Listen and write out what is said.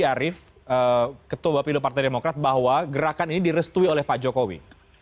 andi arief ketua bapak pilih partai demokrat bahwa gerakan ini direstui oleh pak jokowi